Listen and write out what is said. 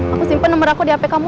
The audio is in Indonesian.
aku simpen nomer aku di hp kamu